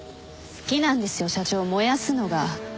好きなんですよ社長燃やすのが。